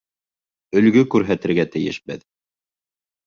Өлгө күрһәтергә тейешбеҙ